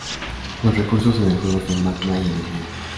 Los recursos en el juego son magma y energía.